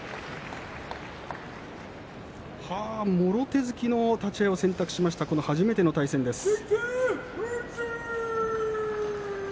もろ手突きの立ち合いを選択しました、初めての対戦です。